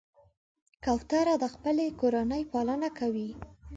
کوتره د خپلې کورنۍ پالنه کوي.